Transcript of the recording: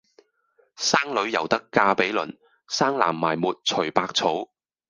生女猶得嫁比鄰，生男埋沒隨百草！